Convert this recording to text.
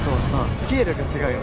スケールが違うよな。